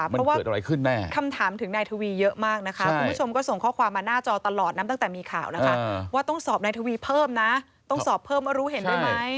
เพราะว่าเกิดอะไรขึ้นแน่คำถามถึงนายทวีเยอะมากนะคะคุณผู้ชมก็ส่งข้อความมาหน้าจอตลอดนะตั้งแต่มีข่าวนะคะว่าต้องสอบนายทวีเพิ่มนะต้องสอบเพิ่มว่ารู้เห็นด้วยไหม